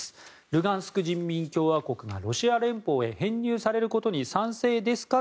ルガンスク人民共和国がロシア連邦へ編入されることに賛成ですか？